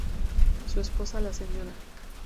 Su esposa la Sra.